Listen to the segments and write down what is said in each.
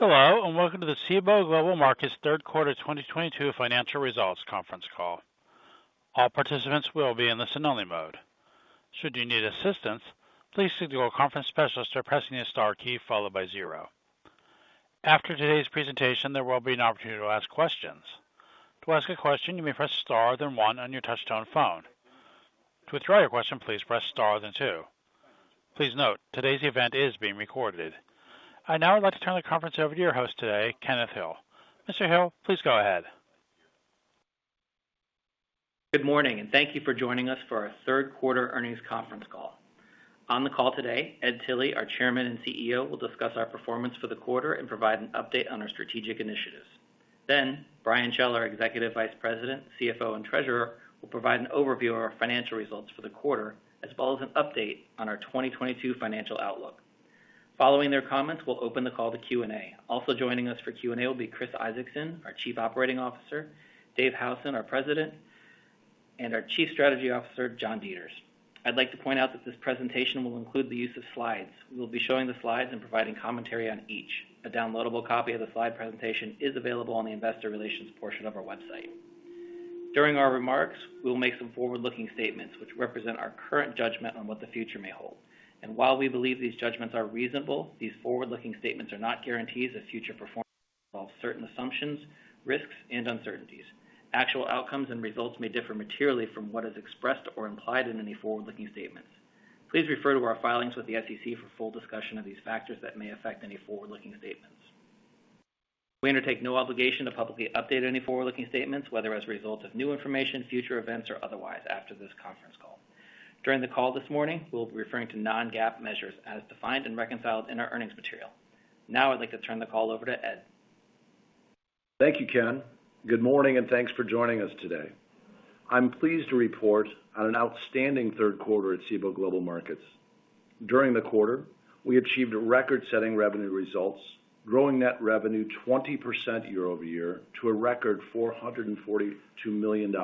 Hello, and welcome to the Cboe Global Markets Third Quarter 2022 Financial Results Conference Call. All participants will be in the listen-only mode. Should you need assistance, please signal a conference specialist by pressing the star key followed by zero. After today's presentation, there will be an opportunity to ask questions. To ask a question, you may press star then one on your touchtone phone. To withdraw your question, please press star then two. Please note, today's event is being recorded. I'd now like to turn the conference over to your host today, Kenneth Hill. Mr. Hill, please go ahead. Good morning, and thank you for joining us for our third quarter earnings conference call. On the call today, Ed Tilly, our Chairman and CEO, will discuss our performance for the quarter and provide an update on our strategic initiatives. Then Brian Schell, our Executive Vice President, CFO, and Treasurer, will provide an overview of our financial results for the quarter as well as an update on our 2022 financial outlook. Following their comments, we'll open the call to Q&A. Also joining us for Q&A will be Chris Isaacson, our Chief Operating Officer, David Howson, our President, and our Chief Strategy Officer, John Deters. I'd like to point out that this presentation will include the use of slides. We will be showing the slides and providing commentary on each. A downloadable copy of the slide presentation is available on the investor relations portion of our website. During our remarks, we'll make some forward-looking statements which represent our current judgment on what the future may hold. While we believe these judgments are reasonable, these forward-looking statements are not guarantees of future performance. While certain assumptions, risks, and uncertainties, actual outcomes and results may differ materially from what is expressed or implied in any forward-looking statements. Please refer to our filings with the SEC for full discussion of these factors that may affect any forward-looking statements. We undertake no obligation to publicly update any forward-looking statements, whether as a result of new information, future events, or otherwise after this conference call. During the call this morning, we'll be referring to non-GAAP measures as defined and reconciled in our earnings material. Now I'd like to turn the call over to Ed. Thank you, Ken. Good morning, and thanks for joining us today. I'm pleased to report on an outstanding third quarter at Cboe Global Markets. During the quarter, we achieved record-setting revenue results, growing net revenue 20% year-over-year to a record $442 million,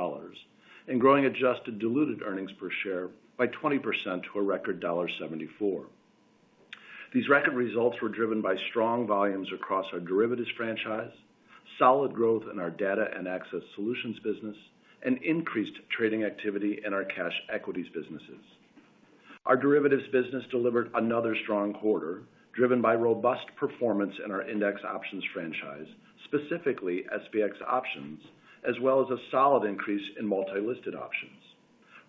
and growing adjusted diluted earnings per share by 20% to a record $1.74. These record results were driven by strong volumes across our Derivatives franchise, solid growth in our Data and Access Solutions business, and increased trading activity in our cash equities businesses. Our Derivatives business delivered another strong quarter, driven by robust performance in our index options franchise, specifically SPX options, as well as a solid increase in multi-listed options.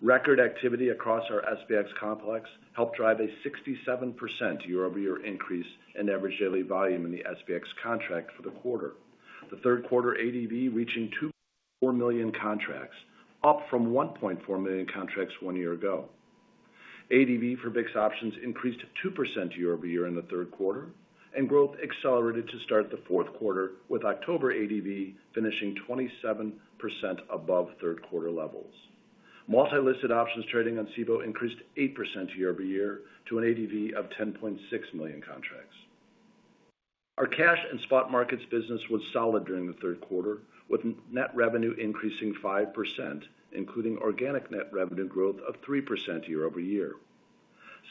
Record activity across our SPX complex helped drive a 67% year-over-year increase in average daily volume in the SPX contract for the quarter. The third quarter ADV reaching 2.4 million contracts, up from 1.4 million contracts one year ago. ADV for VIX options increased 2% year-over-year in the third quarter, and growth accelerated to start the fourth quarter, with October ADV finishing 27% above third quarter levels. Multi-listed options trading on Cboe increased 8% year-over-year to an ADV of 10.6 million contracts. Our cash and spot markets business was solid during the third quarter, with net revenue increasing 5%, including organic net revenue growth of 3% year-over-year.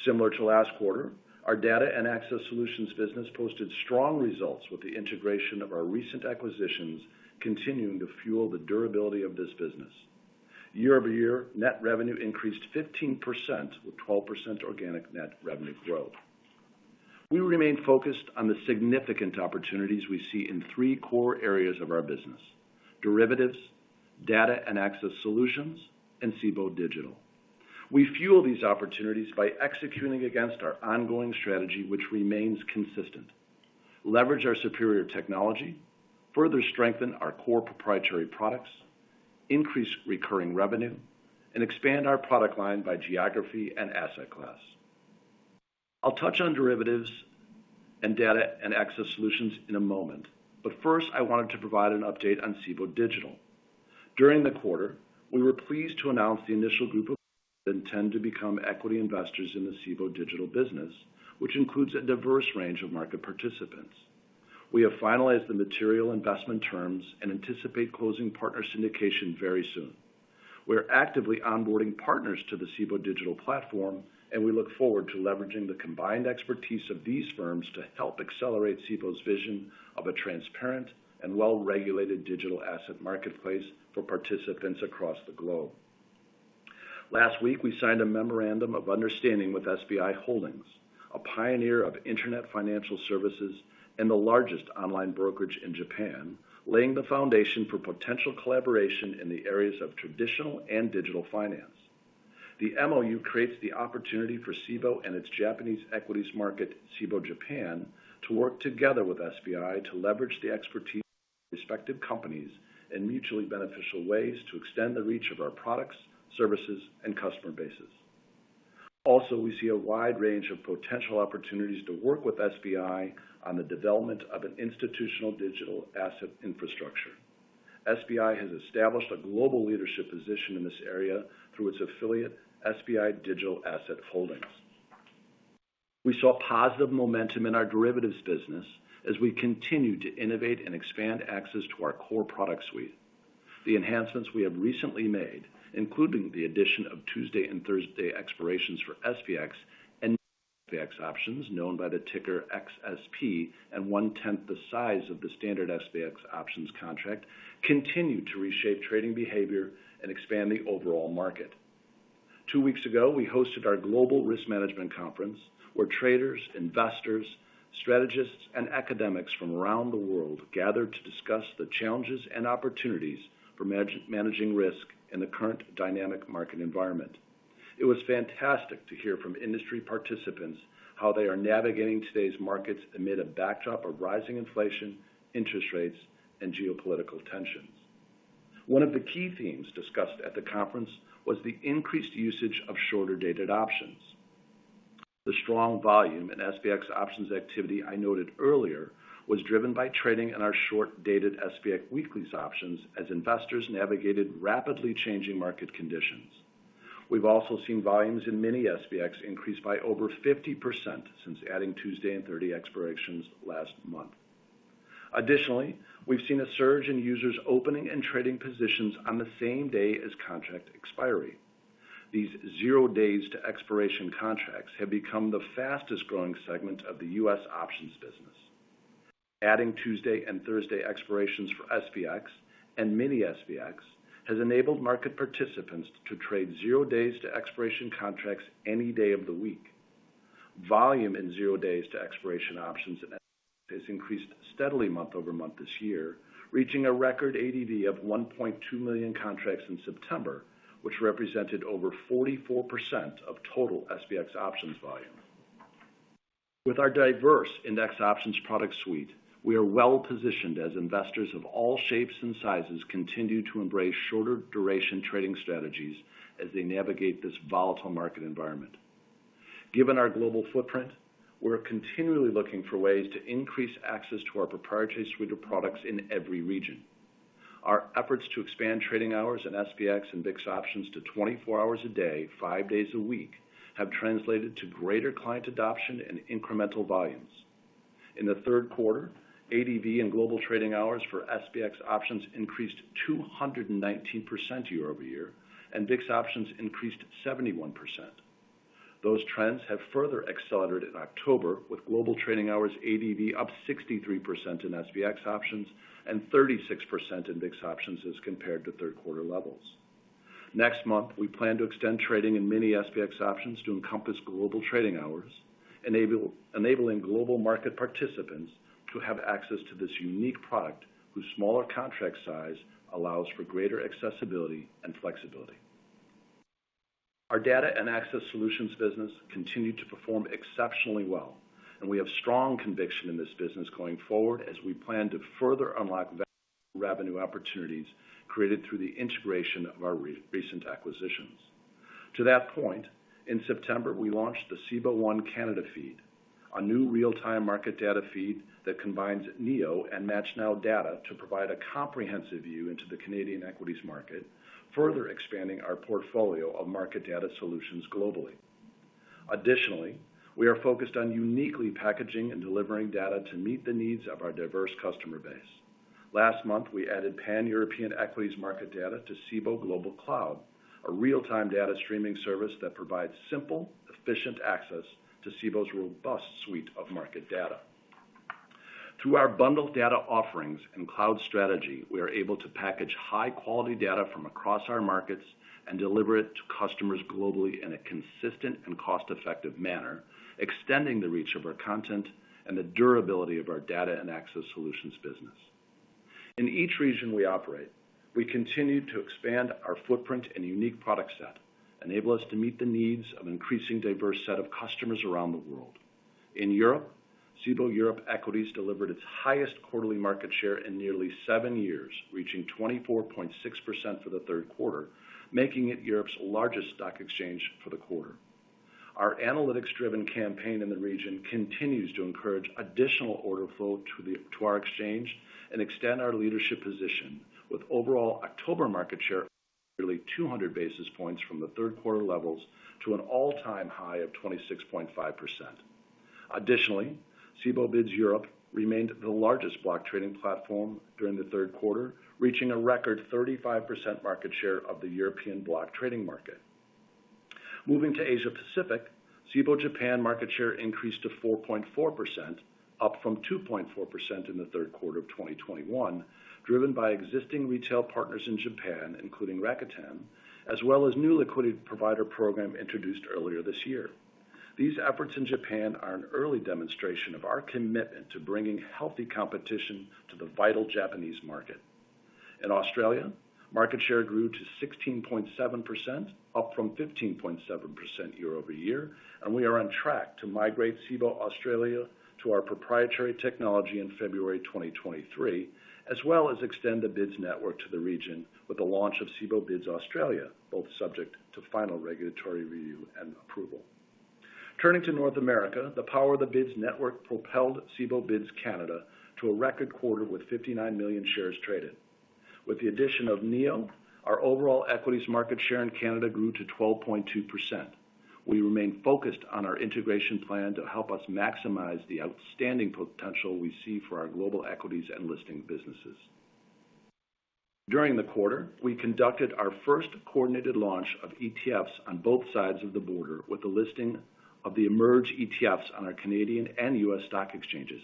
Similar to last quarter, our data and access solutions business posted strong results with the integration of our recent acquisitions continuing to fuel the durability of this business. Year-over-year, net revenue increased 15%, with 12% organic net revenue growth. We remain focused on the significant opportunities we see in three core areas of our business: Derivatives, Data and Access Solutions, and Cboe Digital. We fuel these opportunities by executing against our ongoing strategy, which remains consistent. Leverage our superior technology, further strengthen our core proprietary products, increase recurring revenue, and expand our product line by geography and asset class. I'll touch on Derivatives and Data and Access Solutions in a moment, but first, I wanted to provide an update on Cboe Digital. During the quarter, we were pleased to announce the initial group that intend to become equity investors in the Cboe Digital business, which includes a diverse range of market participants. We have finalized the material investment terms and anticipate closing partner syndication very soon. We're actively onboarding partners to the Cboe Digital platform, and we look forward to leveraging the combined expertise of these firms to help accelerate Cboe's vision of a transparent and well-regulated digital asset marketplace for participants across the globe. Last week, we signed a memorandum of understanding with SBI Holdings, a pioneer of internet financial services and the largest online brokerage in Japan, laying the foundation for potential collaboration in the areas of traditional and digital finance. The MOU creates the opportunity for Cboe and its Japanese equities market, Cboe Japan, to work together with SBI to leverage the expertise of respective companies in mutually beneficial ways to extend the reach of our products, services, and customer bases. Also, we see a wide range of potential opportunities to work with SBI on the development of an institutional digital asset infrastructure. SBI has established a global leadership position in this area through its affiliate, SBI Digital Asset Holdings. We saw positive momentum in our Derivatives business as we continue to innovate and expand access to our core product suite. The enhancements we have recently made, including the addition of Tuesday and Thursday expirations for SPX and Mini-SPX options, known by the ticker XSP, and 1/10th the size of the standard SPX options contract, continue to reshape trading behavior and expand the overall market. Two weeks ago, we hosted our global risk management conference, where traders, investors, strategists, and academics from around the world gathered to discuss the challenges and opportunities for managing risk in the current dynamic market environment. It was fantastic to hear from industry participants how they are navigating today's markets amid a backdrop of rising inflation, interest rates, and geopolitical tensions. One of the key themes discussed at the conference was the increased usage of shorter-dated options. The strong volume in SPX options activity I noted earlier was driven by trading in our short-dated SPX Weeklys options as investors navigated rapidly changing market conditions. We've also seen volumes in Mini-SPX increase by over 50% since adding Tuesday and Thursday expirations last month. Additionally, we've seen a surge in users opening and trading positions on the same day as contract expiry. These zero days to expiration contracts have become the fastest-growing segment of the U.S. options business. Adding Tuesday and Thursday expirations for SPX and Mini-SPX has enabled market participants to trade zero days to expiration contracts any day of the week. Volume in zero days to expiration options has increased steadily month-over-month this year, reaching a record ADV of 1.2 million contracts in September, which represented over 44% of total SPX options volume. With our diverse index options product suite, we are well-positioned as investors of all shapes and sizes continue to embrace shorter duration trading strategies as they navigate this volatile market environment. Given our global footprint, we're continually looking for ways to increase access to our proprietary suite of products in every region. Our efforts to expand trading hours in SPX and VIX options to 24 hours a day, five days a week, have translated to greater client adoption and incremental volumes. In the third quarter, ADV in global trading hours for SPX options increased 219% year-over-year, and VIX options increased 71%. Those trends have further accelerated in October, with Global Trading Hours ADV up 63% in SPX options and 36% in VIX options as compared to third quarter levels. Next month, we plan to extend trading in Mini-SPX options to encompass Global Trading Hours, enabling global market participants to have access to this unique product, whose smaller contract size allows for greater accessibility and flexibility. Our Data and Access Solutions business continued to perform exceptionally well, and we have strong conviction in this business going forward as we plan to further unlock revenue opportunities created through the integration of our recent acquisitions. To that point, in September, we launched the Cboe One Canada Feed, a new real-time market data feed that combines NEO and MATCHNow data to provide a comprehensive view into the Canadian equities market, further expanding our portfolio of market data solutions globally. Additionally, we are focused on uniquely packaging and delivering data to meet the needs of our diverse customer base. Last month, we added pan-European equities market data to Cboe Global Cloud, a real-time data streaming service that provides simple, efficient access to Cboe's robust suite of market data. Through our bundled data offerings and cloud strategy, we are able to package high-quality data from across our markets and deliver it to customers globally in a consistent and cost-effective manner, extending the reach of our content and the durability of our Data and Access Solutions business. In each region we operate, we continue to expand our footprint and unique product set, enable us to meet the needs of an increasingly diverse set of customers around the world. In Europe, Cboe Europe Equities delivered its highest quarterly market share in nearly seven years, reaching 24.6% for the third quarter, making it Europe's largest stock exchange for the quarter. Our analytics-driven campaign in the region continues to encourage additional order flow to our exchange and extend our leadership position, with overall October market share nearly two hundred basis points from the third quarter levels to an all-time high of 26.5%. Additionally, Cboe BIDS Europe remained the largest block trading platform during the third quarter, reaching a record 35% market share of the European block trading market. Moving to Asia Pacific, Cboe Japan market share increased to 4.4%, up from 2.4% in the third quarter of 2021, driven by existing retail partners in Japan, including Rakuten, as well as new liquidity provider program introduced earlier this year. These efforts in Japan are an early demonstration of our commitment to bringing healthy competition to the vital Japanese market. In Australia, market share grew to 16.7%, up from 15.7% year-over-year, and we are on track to migrate Cboe Australia to our proprietary technology in February 2023, as well as extend the BIDS network to the region with the launch of Cboe BIDS Australia, both subject to final regulatory review and approval. Turning to North America, the power of the BIDS network propelled Cboe BIDS Canada to a record quarter with 59 million shares traded. With the addition of NEO, our overall equities market share in Canada grew to 12.2%. We remain focused on our integration plan to help us maximize the outstanding potential we see for our global equities and listing businesses. During the quarter, we conducted our first coordinated launch of ETFs on both sides of the border with the listing of the Emerge ETFs on our Canadian and U.S. stock exchanges.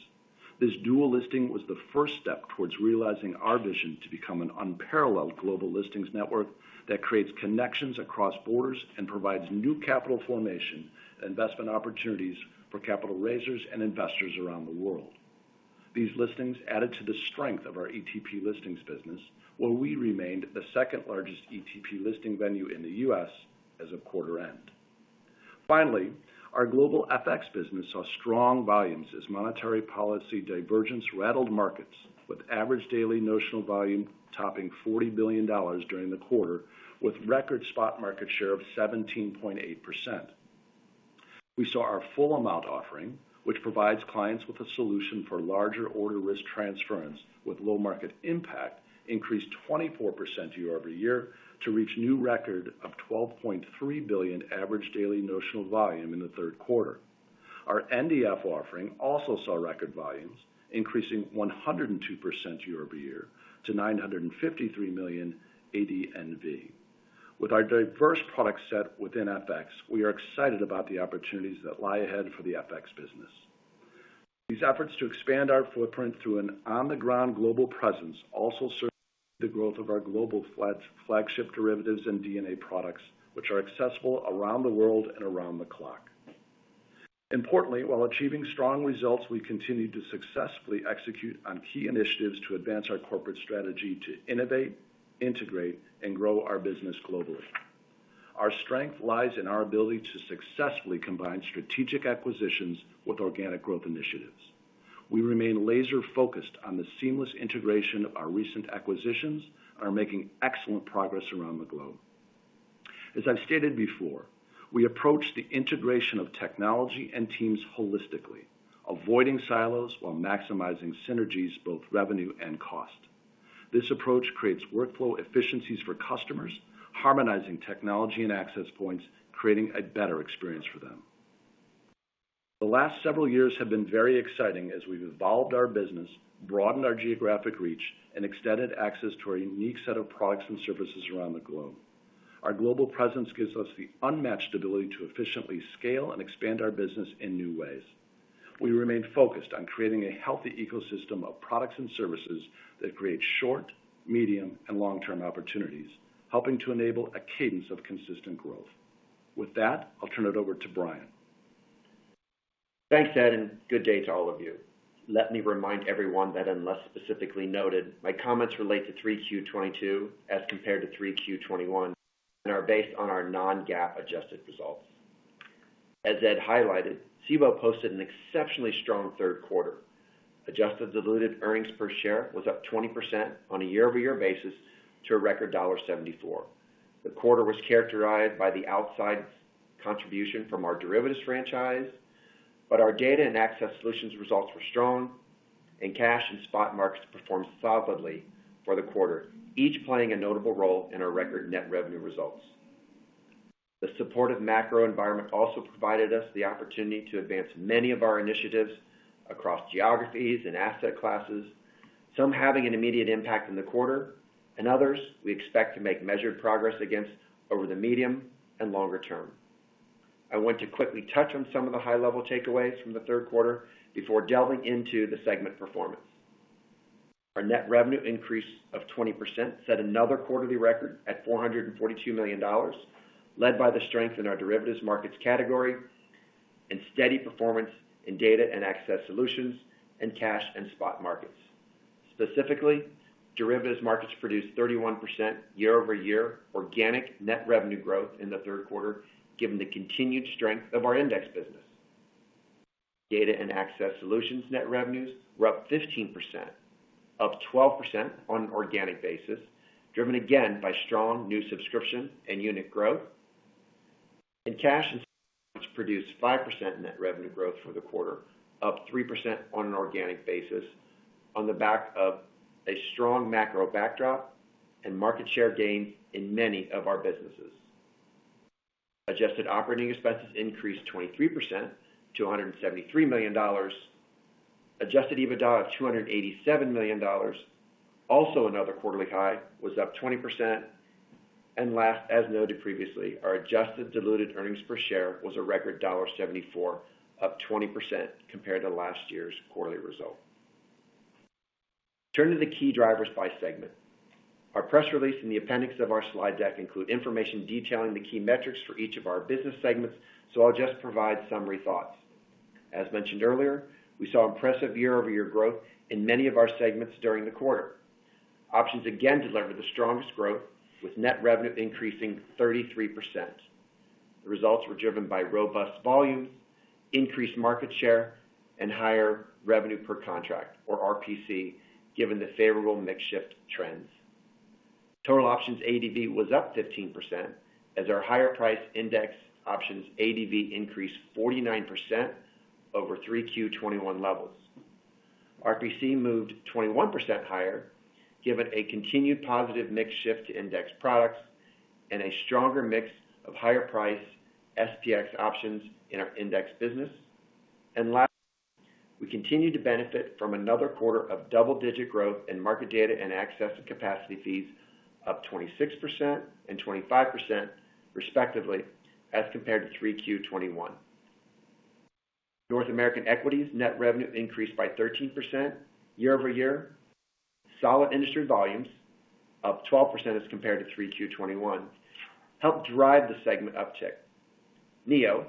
This dual listing was the first step towards realizing our vision to become an unparalleled global listings network that creates connections across borders and provides new capital formation, investment opportunities for capital raisers and investors around the world. These listings added to the strength of our ETP listings business, where we remained the second-largest ETP listing venue in the U.S. as of quarter end. Finally, our global FX business saw strong volumes as monetary policy divergence rattled markets with average daily notional volume topping $40 billion during the quarter, with record spot market share of 17.8%. We saw our Full Amount offering, which provides clients with a solution for larger order risk transference with low market impact, increased 24% year-over-year to reach new record of $12.3 billion average daily notional volume in the third quarter. Our NDF offering also saw record volumes increasing 102% year-over-year to $953 million ADNV. With our diverse product set within FX, we are excited about the opportunities that lie ahead for the FX business. These efforts to expand our footprint through an on-the-ground global presence also serve the growth of our global flagship Derivatives and D&A products, which are accessible around the world and around the clock. Importantly, while achieving strong results, we continue to successfully execute on key initiatives to advance our corporate strategy to innovate, integrate, and grow our business globally. Our strength lies in our ability to successfully combine strategic acquisitions with organic growth initiatives. We remain laser-focused on the seamless integration of our recent acquisitions and are making excellent progress around the globe. As I've stated before, we approach the integration of technology and teams holistically, avoiding silos while maximizing synergies, both revenue and cost. This approach creates workflow efficiencies for customers, harmonizing technology and access points, creating a better experience for them. The last several years have been very exciting as we've evolved our business, broadened our geographic reach, and extended access to our unique set of products and services around the globe. Our global presence gives us the unmatched ability to efficiently scale and expand our business in new ways. We remain focused on creating a healthy ecosystem of products and services that create short, medium, and long-term opportunities, helping to enable a cadence of consistent growth. With that, I'll turn it over to Brian. Thanks, Ed, and good day to all of you. Let me remind everyone that unless specifically noted, my comments relate to 3Q 2022 as compared to 3Q 2021, and are based on our non-GAAP adjusted results. As Ed highlighted, Cboe posted an exceptionally strong third quarter. Adjusted diluted earnings per share was up 20% on a year-over-year basis to a record $0.74. The quarter was characterized by the outsize contribution from our Derivatives franchise, but our Data and Access Solutions results were strong, and cash and spot markets performed solidly for the quarter, each playing a notable role in our record net revenue results. The supportive macro environment also provided us the opportunity to advance many of our initiatives across geographies and asset classes, some having an immediate impact in the quarter, and others we expect to make measured progress against over the medium and longer term. I want to quickly touch on some of the high-level takeaways from the third quarter before delving into the segment performance. Our net revenue increase of 20% set another quarterly record at $442 million, led by the strength in our Derivatives Markets category and steady performance in Data and Access Solutions and Cash and Spot Markets. Specifically, Derivatives Markets produced 31% year-over-year organic net revenue growth in the third quarter, given the continued strength of our index business. Data and Access Solutions net revenues were up 15%, up 12% on an organic basis, driven again by strong new subscription and unit growth. In cash, which produced 5% net revenue growth for the quarter, up 3% on an organic basis on the back of a strong macro backdrop and market share gain in many of our businesses. Adjusted operating expenses increased 23% to $173 million. Adjusted EBITDA of $287 million, also another quarterly high, was up 20%. Last, as noted previously, our adjusted diluted earnings per share was a record $0.74, up 20% compared to last year's quarterly result. Turn to the key drivers by segment. Our press release in the appendix of our slide deck include information detailing the key metrics for each of our business segments, so I'll just provide summary thoughts. As mentioned earlier, we saw impressive year-over-year growth in many of our segments during the quarter. Options again delivered the strongest growth, with net revenue increasing 33%. The results were driven by robust volumes, increased market share, and higher revenue per contract or RPC, given the favorable mix shift trends. Total options ADV was up 15% as our higher price index options ADV increased 49% over 3Q 2021 levels. RPC moved 21% higher, given a continued positive mix shift to index products and a stronger mix of higher price SPX options in our index business. Last, we continued to benefit from another quarter of double-digit growth in market data and access and capacity fees up 26% and 25% respectively, as compared to 3Q 2021. North American Equities net revenue increased by 13% year-over-year. Solid industry volumes up 12% as compared to 3Q 2021 helped drive the segment uptick. NEO,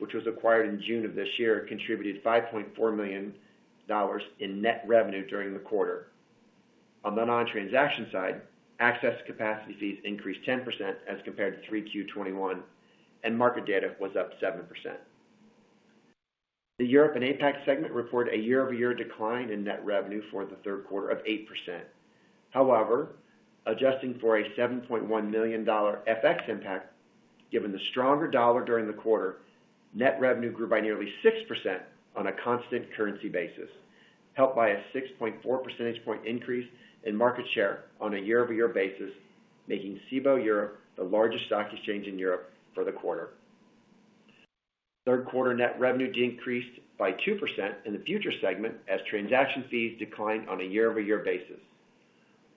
which was acquired in June of this year, contributed $5.4 million in net revenue during the quarter. On the non-transaction side, access capacity fees increased 10% as compared to 3Q 2021, and market data was up 7%. The Europe and APAC segment reported a year-over-year decline in net revenue for the third quarter of 8%. However, adjusting for a $7.1 million FX impact, given the stronger dollar during the quarter, net revenue grew by nearly 6% on a constant currency basis, helped by a 6.4 percentage point increase in market share on a year-over-year basis, making Cboe Europe the largest stock exchange in Europe for the quarter. Third quarter net revenue decreased by 2% in the Futures segment as transaction fees declined on a year-over-year basis.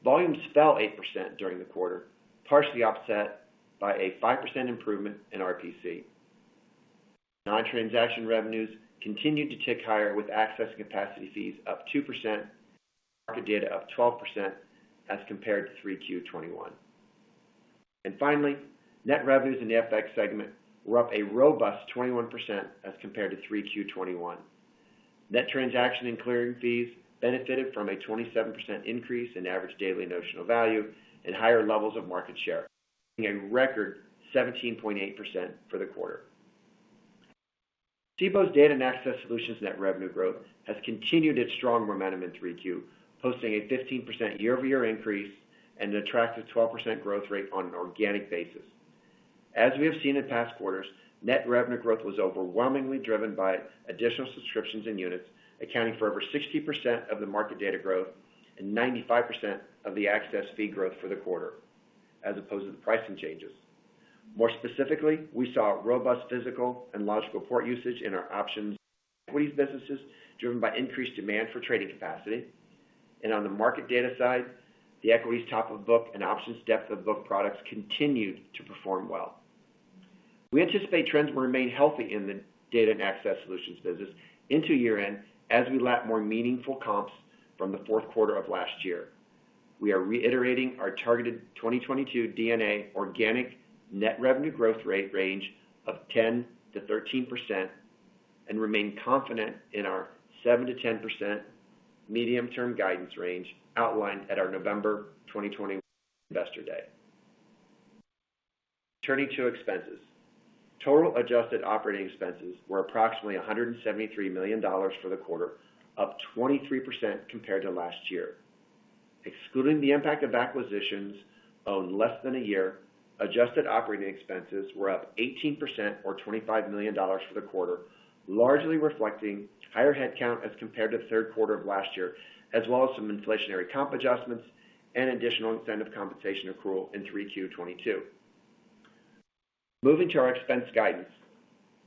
Volumes fell 8% during the quarter, partially offset by a 5% improvement in RPC. Non-transaction revenues continued to tick higher with access capacity fees up 2%, market data up 12% as compared to 3Q 2021. Finally, net revenues in the FX segment were up a robust 21% as compared to 3Q 2021. Net transaction and clearing fees benefited from a 27% increase in average daily notional value and higher levels of market share, a record 17.8% for the quarter. Cboe's Data and Access Solutions net revenue growth has continued its strong momentum in 3Q, posting a 15% year-over-year increase and an attractive 12% growth rate on an organic basis. As we have seen in past quarters, net revenue growth was overwhelmingly driven by additional subscriptions and units, accounting for over 60% of the market data growth and 95% of the access fee growth for the quarter as opposed to the pricing changes. More specifically, we saw robust physical and logical port usage in our options equities businesses driven by increased demand for trading capacity. On the market data side, the equities top of book and options depth of book products continued to perform well. We anticipate trends will remain healthy in the Data and Access Solutions business into year-end as we lap more meaningful comps from the fourth quarter of last year. We are reiterating our targeted 2022 D&A organic net revenue growth rate range of 10%-13% and remain confident in our 7%-10% medium-term guidance range outlined at our November 2021 Investor Day. Turning to expenses. Total adjusted operating expenses were approximately $173 million for the quarter, up 23% compared to last year. Excluding the impact of acquisitions of less than a year, adjusted operating expenses were up 18% or $25 million for the quarter, largely reflecting higher headcount as compared to the third quarter of last year, as well as some inflationary comp adjustments and additional incentive compensation accrual in 3Q 2022. Moving to our expense guidance.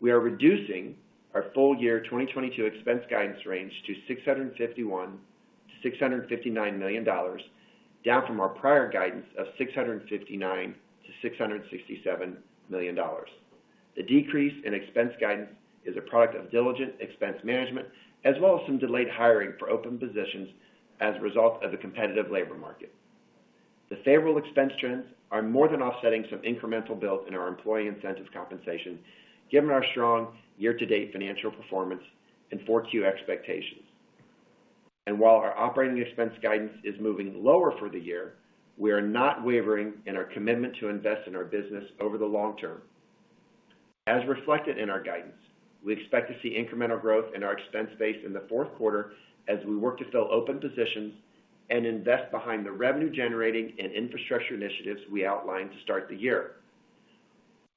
We are reducing our full year 2022 expense guidance range to $651 million-$659 million, down from our prior guidance of $659 million-$667 million. The decrease in expense guidance is a product of diligent expense management as well as some delayed hiring for open positions as a result of the competitive labor market. The favorable expense trends are more than offsetting some incremental build in our employee incentive compensation given our strong year-to-date financial performance and 4Q expectations. While our operating expense guidance is moving lower for the year, we are not wavering in our commitment to invest in our business over the long term. As reflected in our guidance, we expect to see incremental growth in our expense base in the fourth quarter as we work to fill open positions and invest behind the revenue generating and infrastructure initiatives we outlined to start the year.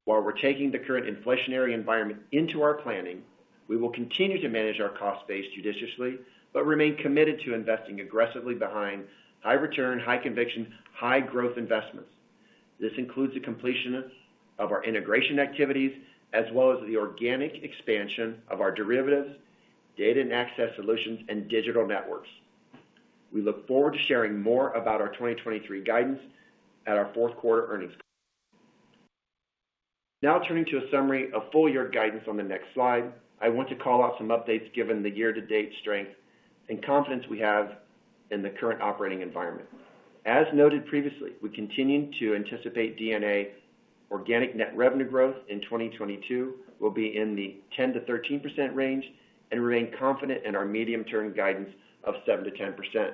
While we're taking the current inflationary environment into our planning, we will continue to manage our cost base judiciously, but remain committed to investing aggressively behind high return, high conviction, high growth investments. This includes the completion of our integration activities as well as the organic expansion of our Derivatives, Data and Access Solutions, and digital networks. We look forward to sharing more about our 2023 guidance at our fourth quarter earnings call. Now turning to a summary of full year guidance on the next slide. I want to call out some updates given the year-to-date strength and confidence we have in the current operating environment. As noted previously, we continue to anticipate D&A organic net revenue growth in 2022 will be in the 10%-13% range and remain confident in our medium-term guidance of 7%-10%.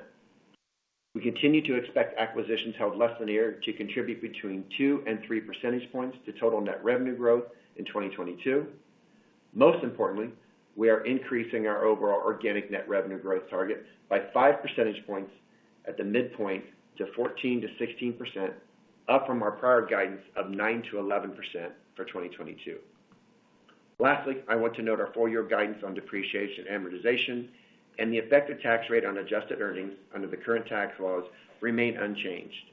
We continue to expect acquisitions held less than a year to contribute between 2 and 3 percentage points to total net revenue growth in 2022. Most importantly, we are increasing our overall organic net revenue growth target by 5 percentage points at the midpoint to 14%-16% up from our prior guidance of 9%-11% for 2022. Lastly, I want to note our full year guidance on depreciation, amortization, and the effective tax rate on adjusted earnings under the current tax laws remain unchanged.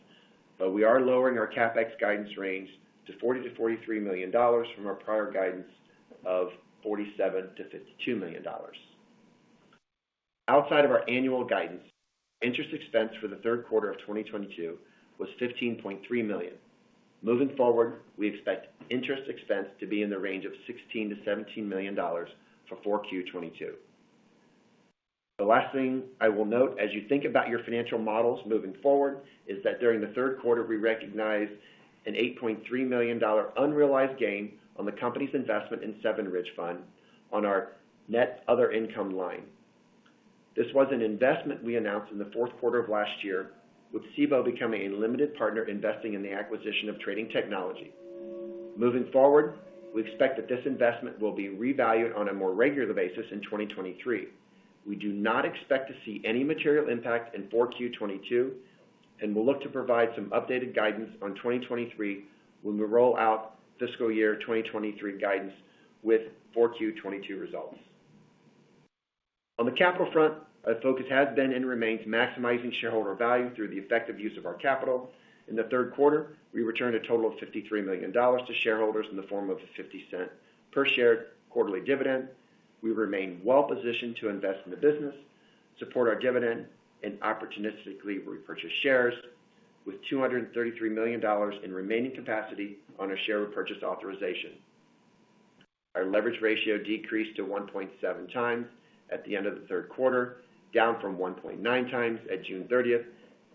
We are lowering our CapEx guidance range to $40 million-$43 million from our prior guidance of $47 million-$52 million. Outside of our annual guidance, interest expense for the third quarter of 2022 was $15.3 million. Moving forward, we expect interest expense to be in the range of $16 million-$17 million for 4Q 2022. The last thing I will note as you think about your financial models moving forward is that during the third quarter, we recognized an $8.3 million unrealized gain on the company's investment in 7RIDGE Fund on our net other income line. This was an investment we announced in the fourth quarter of last year, with Cboe becoming a limited partner investing in the acquisition of Trading Technologies. Moving forward, we expect that this investment will be revalued on a more regular basis in 2023. We do not expect to see any material impact in 4Q 2022, and we'll look to provide some updated guidance on 2023 when we roll out fiscal year 2023 guidance with 4Q 2022 results. On the capital front, our focus has been and remains maximizing shareholder value through the effective use of our capital. In the third quarter, we returned a total of $53 million to shareholders in the form of a $0.50 per share quarterly dividend. We remain well-positioned to invest in the business, support our dividend, and opportunistically repurchase shares with $233 million in remaining capacity on our share repurchase authorization. Our leverage ratio decreased to 1.7x at the end of the third quarter, down from 1.9x at June 30th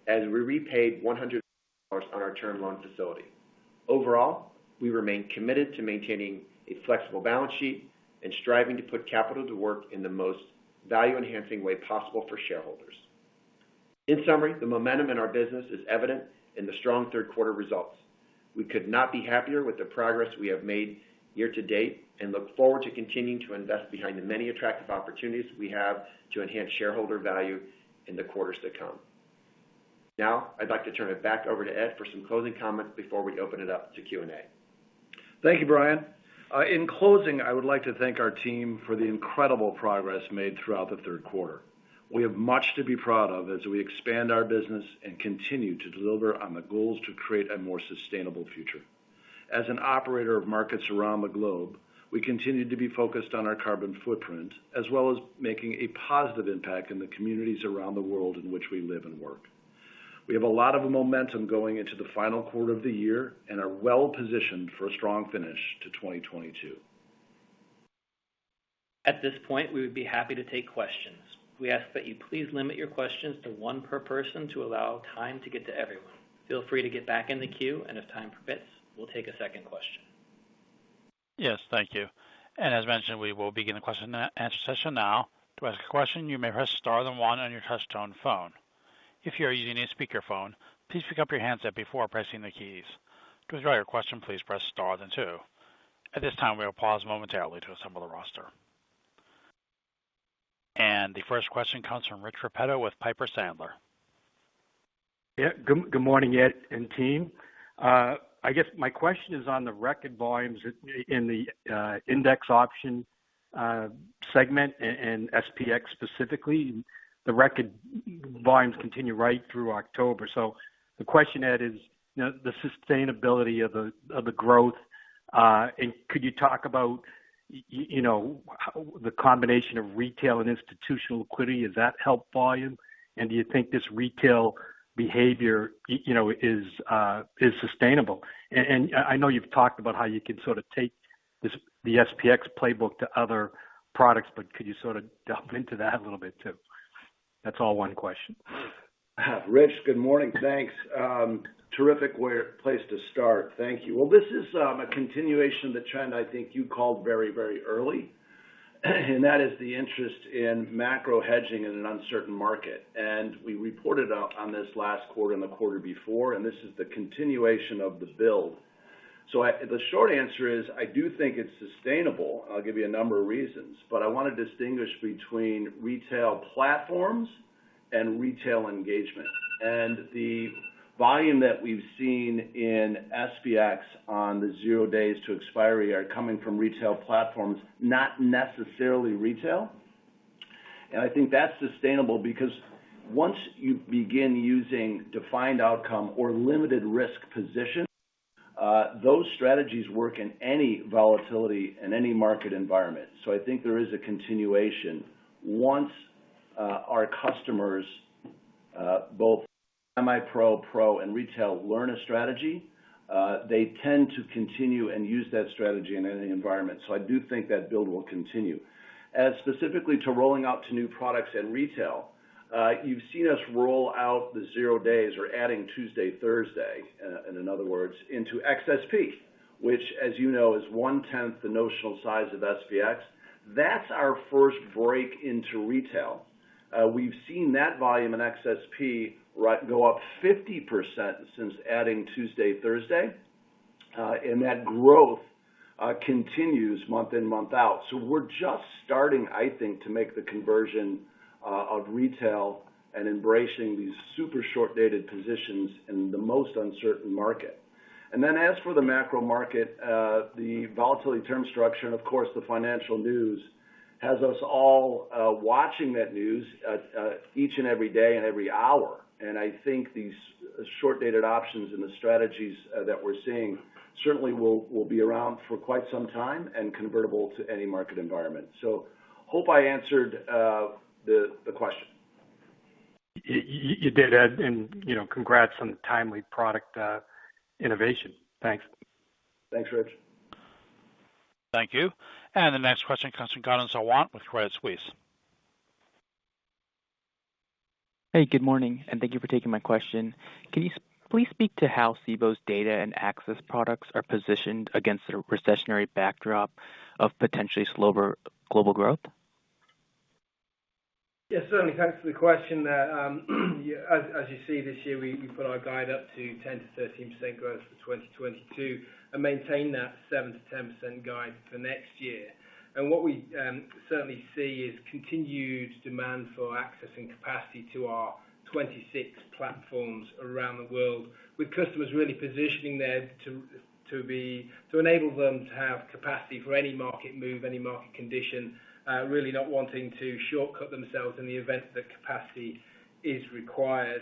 as we repaid $100 million on our term loan facility. Overall, we remain committed to maintaining a flexible balance sheet and striving to put capital to work in the most value-enhancing way possible for shareholders. In summary, the momentum in our business is evident in the strong third quarter results. We could not be happier with the progress we have made year to date and look forward to continuing to invest behind the many attractive opportunities we have to enhance shareholder value in the quarters to come. Now, I'd like to turn it back over to Ed for some closing comments before we open it up to Q&A. Thank you, Brian. In closing, I would like to thank our team for the incredible progress made throughout the third quarter. We have much to be proud of as we expand our business and continue to deliver on the goals to create a more sustainable future. As an operator of markets around the globe, we continue to be focused on our carbon footprint, as well as making a positive impact in the communities around the world in which we live and work. We have a lot of momentum going into the final quarter of the year and are well-positioned for a strong finish to 2022. At this point, we would be happy to take questions. We ask that you please limit your questions to one per person to allow time to get to everyone. Feel free to get back in the queue, and if time permits, we'll take a second question. Yes, thank you. As mentioned, we will begin the question and answer session now. To ask a question, you may press star then one on your touch-tone phone. If you are using a speakerphone, please pick up your handset before pressing the keys. To withdraw your question, please press star then two. At this time, we will pause momentarily to assemble the roster. The first question comes from Rich Repetto with Piper Sandler. Yeah. Good morning, Ed and team. I guess my question is on the record volumes in the index option segment and SPX specifically. The record volumes continue right through October. The question, Ed, is you know the sustainability of the growth. And could you talk about you know how the combination of retail and institutional liquidity does that help volume? And do you think this retail behavior you know is sustainable? And I know you've talked about how you can sort of take this, the SPX playbook to other products, but could you sort of delve into that a little bit too? That's all one question. Rich, good morning. Thanks. Terrific way or place to start. Thank you. Well, this is a continuation of the trend I think you called very, very early, and that is the interest in macro hedging in an uncertain market. We reported out on this last quarter and the quarter before, and this is the continuation of the build. The short answer is I do think it's sustainable. I'll give you a number of reasons, but I wanna distinguish between retail platforms and retail engagement. The volume that we've seen in SPX on the zero days to expiry are coming from retail platforms, not necessarily retail. I think that's sustainable because once you begin using defined outcome or limited risk position, those strategies work in any volatility in any market environment. I think there is a continuation. Once our customers both semi-pro, pro, and retail learn a strategy, they tend to continue and use that strategy in any environment. I do think that build will continue. As specifically to rolling out to new products and retail, you've seen us roll out the zero days or adding Tuesday, Thursday in other words, into XSP, which as you know, is one-tenth the notional size of SPX. That's our first break into retail. We've seen that volume in XSP go up 50% since adding Tuesday, Thursday and that growth continues month in, month out. We're just starting, I think, to make the conversion of retail and embracing these super short-dated positions in the most uncertain market. Then as for the macro market, the volatility term structure and of course, the financial news has us all watching that news each and every day and every hour. I think these short-dated options and the strategies that we're seeing certainly will be around for quite some time and convertible to any market environment. Hope I answered the question. You did, Ed, and you know, congrats on the timely product innovation. Thanks. Thanks, Rich. Thank you. The next question comes from Gautam Sawant with Credit Suisse. Hey, good morning, and thank you for taking my question. Can you please speak to how Cboe's data and access products are positioned against the recessionary backdrop of potentially slower global growth? Yeah, certainly. Thanks for the question. As you see this year, we put our guide up to 10%-13% growth for 2022 and maintain that 7%-10% guide for next year. What we certainly see is continued demand for accessing capacity to our 26 platforms around the world, with customers really positioning there to enable them to have capacity for any market move, any market condition, really not wanting to shortcut themselves in the event that capacity is required.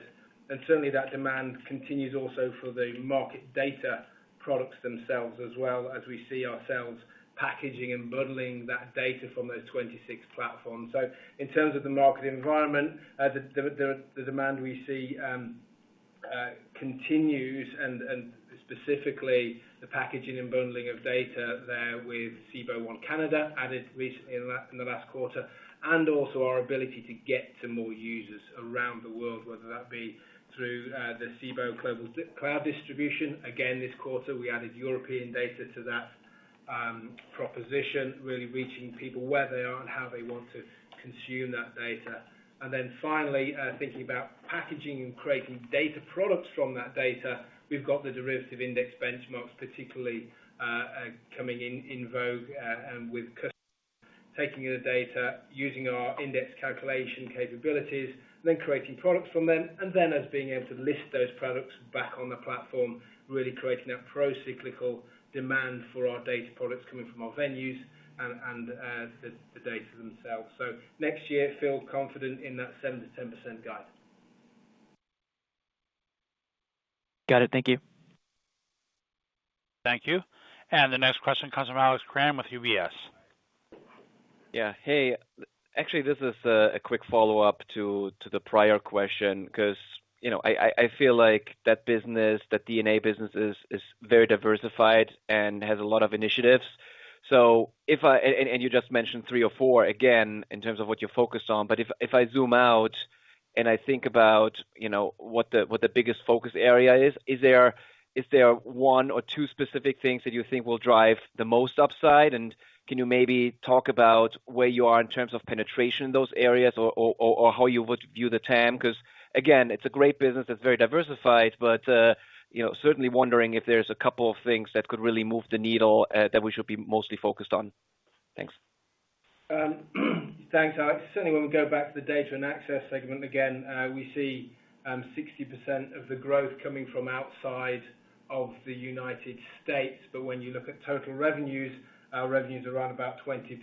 Certainly that demand continues also for the market data products themselves as well as we see ourselves packaging and bundling that data from those 26 platforms. In terms of the market environment, the demand we see continues, and specifically the packaging and bundling of data there with Cboe One Canada added recently in the last quarter, and also our ability to get to more users around the world, whether that be through the Cboe Global Cloud distribution. Again, this quarter, we added European data to that proposition, really reaching people where they are and how they want to consume that data. Finally, thinking about packaging and creating data products from that data, we've got the derivative index benchmarks, particularly coming into vogue, and with customers taking the data, using our index calculation capabilities, and then creating products from them. And then us being able to list those products back on the platform, really creating that procyclical demand for our data products coming from our venues and the data themselves. next year, feel confident in that 7%-10% guide. Got it. Thank you. Thank you. The next question comes from Alex Kramm with UBS. Hey, actually, this is a quick follow-up to the prior question because, you know, I feel like that business, that D&A business is very diversified and has a lot of initiatives. You just mentioned three or four again in terms of what you're focused on. If I zoom out and I think about, you know, what the biggest focus area is. Is there one or two specific things that you think will drive the most upside? And can you maybe talk about where you are in terms of penetration in those areas or how you would view the TAM? Because again, it's a great business that's very diversified. You know, certainly wondering if there's a couple of things that could really move the needle, that we should be mostly focused on. Thanks. Thanks, Alex. Certainly, when we go back to the Data and Access segment, again, we see 60% of the growth coming from outside of the United States. When you look at total revenues, our revenues are around about 20%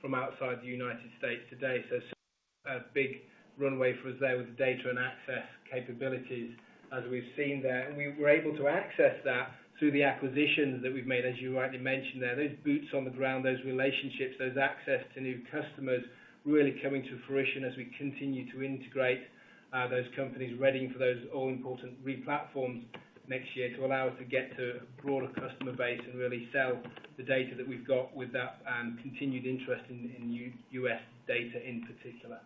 from outside the United States today. A big runway for us there with the Data and Access capabilities, as we've seen there. We were able to access that through the acquisitions that we've made, as you rightly mentioned there. Those boots on the ground, those relationships, those access to new customers really coming to fruition as we continue to integrate those companies, readying for those all-important replatform next year to allow us to get to a broader customer base and really sell the data that we've got with that continued interest in U.S. data in particular.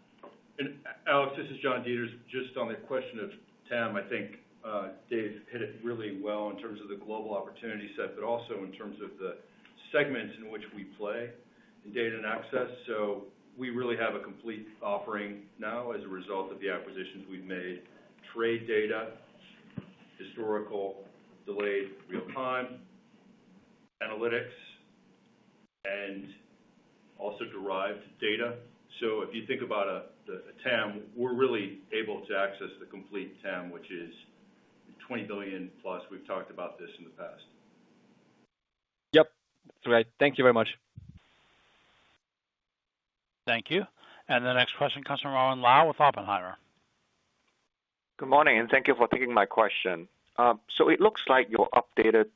Alex, this is John Deters. Just on the question of TAM, I think Dave hit it really well in terms of the global opportunity set, but also in terms of the segments in which we play in data and access. We really have a complete offering now as a result of the acquisitions we've made. Trade data, historical, delayed real-time, analytics, and also derived data. If you think about the TAM, we're really able to access the complete TAM, which is $20 billion+. We've talked about this in the past. Yep. That's right. Thank you very much. Thank you. The next question comes from Owen Lau with Oppenheimer. Good morning, and thank you for taking my question. It looks like your updated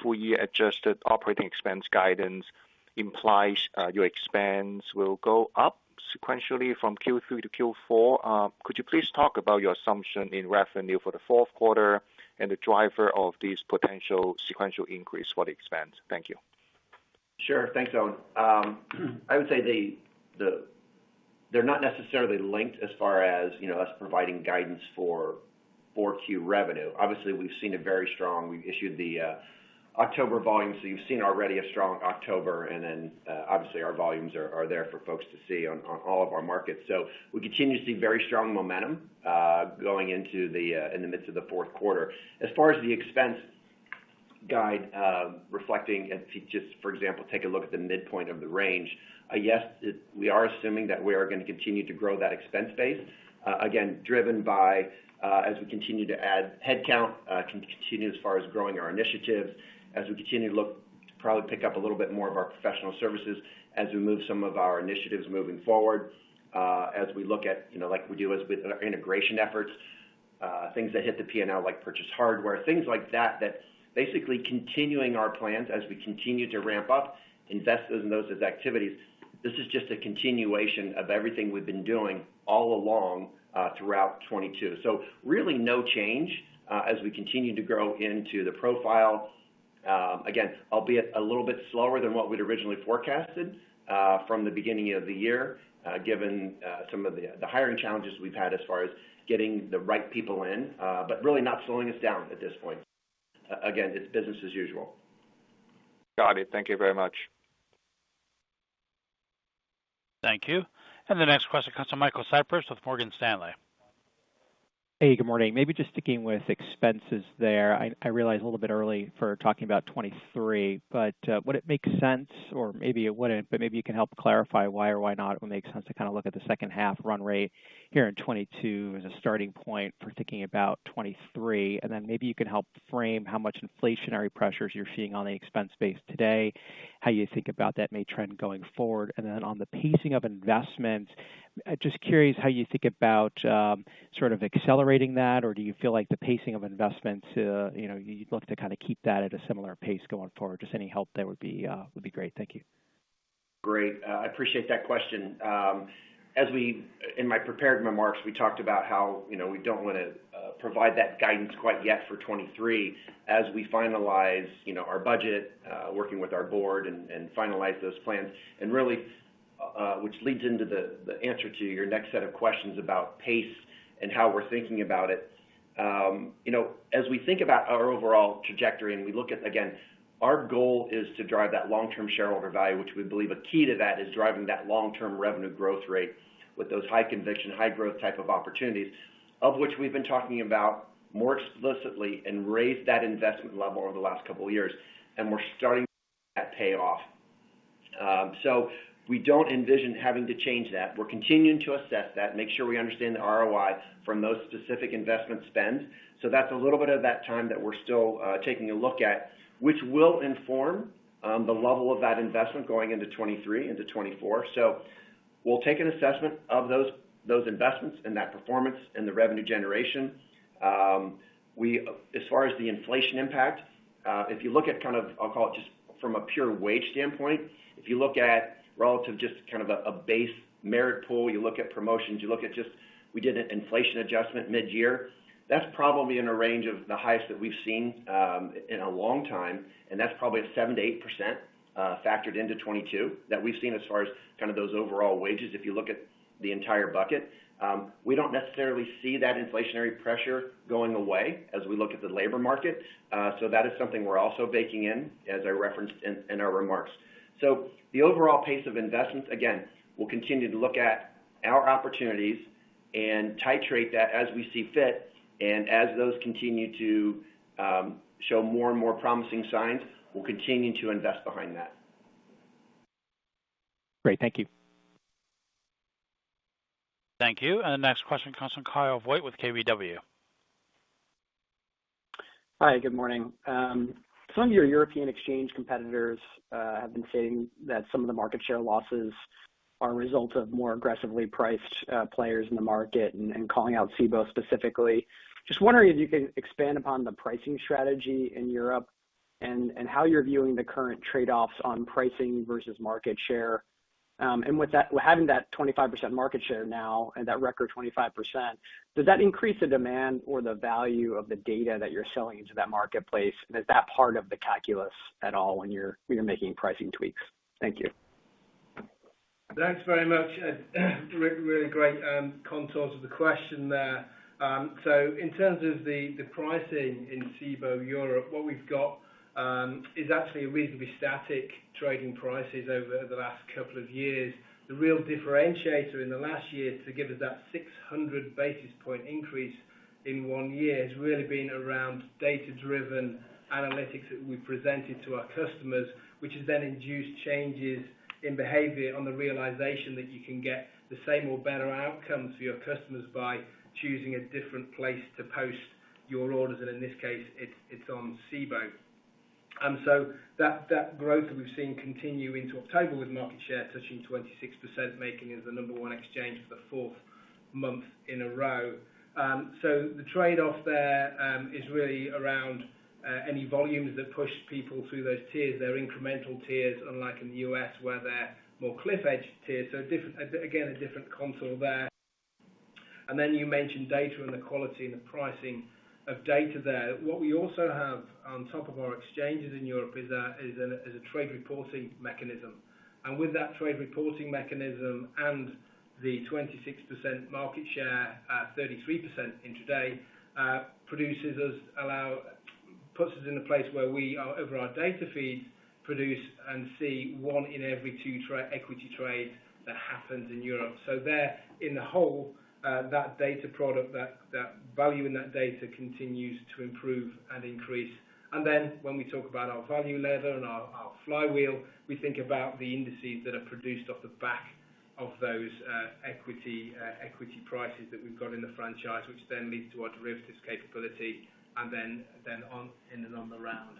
full-year adjusted operating expense guidance implies your expense will go up sequentially from Q3 to Q4. Could you please talk about your assumption in revenue for the fourth quarter and the driver of this potential sequential increase for the expense? Thank you. Sure. Thanks, Owen. I would say they're not necessarily linked as far as, you know, us providing guidance for 4Q revenue. Obviously, we've issued the October volume, so you've seen already a strong October, and then obviously our volumes are there for folks to see on all of our markets. We continue to see very strong momentum going into the midst of the fourth quarter. As far as the expense Just for example, take a look at the midpoint of the range. We are assuming that we are gonna continue to grow that expense base, again, driven by, as we continue to add headcount, continue as far as growing our initiatives, as we continue to look to probably pick up a little bit more of our professional services as we move some of our initiatives moving forward, as we look at, you know, like we do as with our integration efforts, things that hit the P&L, like purchase hardware, things like that basically continuing our plans as we continue to ramp up, invest in those as activities. This is just a continuation of everything we've been doing all along, throughout 2022. Really no change, as we continue to grow into the profile. Again, albeit a little bit slower than what we'd originally forecasted, from the beginning of the year, given some of the hiring challenges we've had as far as getting the right people in, but really not slowing us down at this point. Again, it's business as usual. Got it. Thank you very much. Thank you. The next question comes from Michael Cyprys with Morgan Stanley. Hey, good morning. Maybe just sticking with expenses there. I realize a little bit early for talking about 2023, but would it make sense or maybe it wouldn't, but maybe you can help clarify why or why not it would make sense to kinda look at the second half run rate here in 2022 as a starting point for thinking about 2023. Maybe you can help frame how much inflationary pressures you're seeing on the expense base today, how you think about that may trend going forward. On the pacing of investments, just curious how you think about sort of accelerating that or do you feel like the pacing of investments you know, you'd look to kinda keep that at a similar pace going forward? Just any help there would be great. Thank you. Great. I appreciate that question. In my prepared remarks, we talked about how, you know, we don't wanna provide that guidance quite yet for 2023 as we finalize, you know, our budget, working with our board and finalize those plans. Really, which leads into the answer to your next set of questions about pace and how we're thinking about it. You know, as we think about our overall trajectory and we look at, again, our goal is to drive that long-term shareholder value, which we believe a key to that is driving that long-term revenue growth rate with those high conviction, high growth type of opportunities, of which we've been talking about more explicitly and raised that investment level over the last couple of years, and we're starting to see that pay off. We don't envision having to change that. We're continuing to assess that, make sure we understand the ROI from those specific investment spends. That's a little bit of that time that we're still taking a look at, which will inform the level of that investment going into 2023 into 2024. We'll take an assessment of those investments and that performance and the revenue generation. As far as the inflation impact, if you look at kind of, I'll call it just from a pure wage standpoint, if you look at relative just kind of a base merit pool, you look at promotions, you look at just we did an inflation adjustment midyear, that's probably in a range of the highest that we've seen in a long time, and that's probably 7%-8%, factored into 2022 that we've seen as far as kind of those overall wages if you look at the entire bucket. We don't necessarily see that inflationary pressure going away as we look at the labor market. That is something we're also baking in, as I referenced in our remarks. The overall pace of investments, again, we'll continue to look at our opportunities and titrate that as we see fit. As those continue to show more and more promising signs, we'll continue to invest behind that. Great. Thank you. Thank you. The next question comes from Kyle Voigt with KBW. Hi, good morning. Some of your European exchange competitors have been saying that some of the market share losses are a result of more aggressively priced players in the market and calling out Cboe specifically. Just wondering if you can expand upon the pricing strategy in Europe and how you're viewing the current trade-offs on pricing versus market share. With that, having that 25% market share now and that record 25%, does that increase the demand or the value of the data that you're selling into that marketplace? Is that part of the calculus at all when you're making pricing tweaks? Thank you. Thanks very much, and really great contours of the question there. So in terms of the pricing in Cboe Europe, what we've got is actually reasonably static trading prices over the last couple of years. The real differentiator in the last year to give us that 600 basis point increase in one year has really been around data-driven analytics that we presented to our customers, which has then induced changes in behavior on the realization that you can get the same or better outcomes for your customers by choosing a different place to post your orders, and in this case, it's on Cboe. That growth that we've seen continue into October with market share touching 26%, making us the number one exchange for the fourth month in a row. The trade-off there is really around any volumes that push people through those tiers. They're incremental tiers, unlike in the U.S., where they're more cliff-edged tiers, so a different construct there. Then you mentioned data and the quality and the pricing of data there. What we also have on top of our exchanges in Europe is a trade reporting mechanism. With that trade reporting mechanism and the 26% market share at 33% in equities today, puts us in a place where we are over our Cboe One data feed and we produce and see one in every two equity trades that happen in Europe. There in the whole, that data product, that value in that data continues to improve and increase. Then when we talk about our value lever and our flywheel, we think about the indices that are produced off the back of those equity prices that we've got in the franchise, which then leads to our Derivatives capability and then on in and on the round.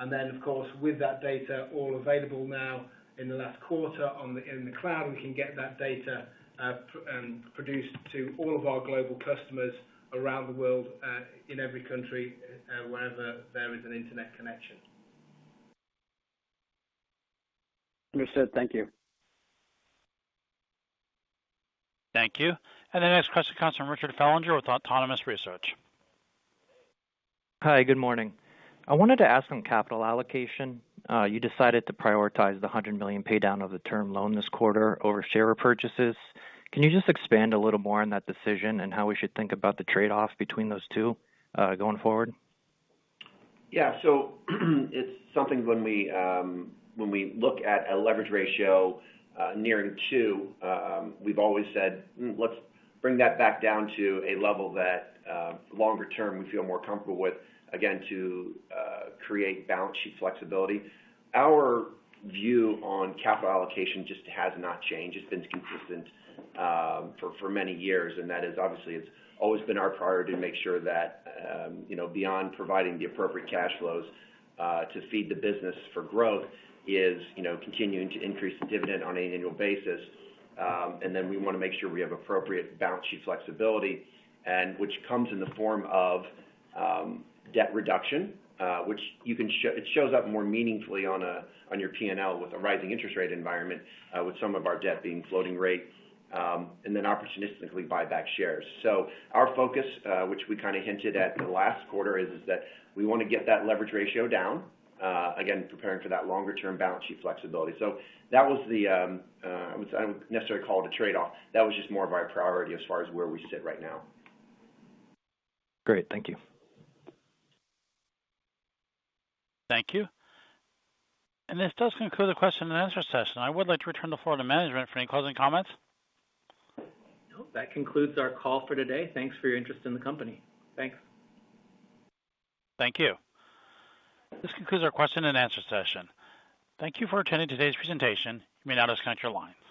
Of course, with that data all available now in the last quarter in the cloud, we can get that data produced to all of our global customers around the world in every country wherever there is an internet connection. Understood. Thank you. Thank you. The next question comes from Richard Fellinger with Autonomous Research. Hi, good morning. I wanted to ask on capital allocation. You decided to prioritize the $100 million pay down of the term loan this quarter over share repurchases. Can you just expand a little more on that decision and how we should think about the trade-off between those two, going forward? Yeah. It's something when we look at a leverage ratio nearing 2. We've always said, "Hmm, let's bring that back down to a level that longer term we feel more comfortable with, again, to create balance sheet flexibility." Our view on capital allocation just has not changed. It's been consistent for many years, and that is obviously it's always been our priority to make sure that, you know, beyond providing the appropriate cash flows to feed the business for growth is continuing to increase the dividend on an annual basis. We wanna make sure we have appropriate balance sheet flexibility and which comes in the form of, debt reduction, which you can see it shows up more meaningfully on your P&L with a rising interest rate environment, with some of our debt being floating rate, and then opportunistically buy back shares. Our focus, which we kinda hinted at in the last quarter is that we wanna get that leverage ratio down, again, preparing for that longer term balance sheet flexibility. That was the, I wouldn't necessarily call it a trade-off. That was just more of our priority as far as where we sit right now. Great. Thank you. Thank you. This does conclude the question and answer session. I would like to return the floor to management for any closing comments. No. That concludes our call for today. Thanks for your interest in the company. Thanks. Thank you. This concludes our question and answer session. Thank you for attending today's presentation. You may now disconnect your lines.